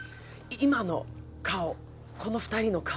今の顔この２人の顔